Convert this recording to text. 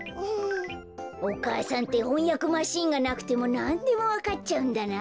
お母さんってほんやくマシーンがなくてもなんでもわかっちゃうんだな。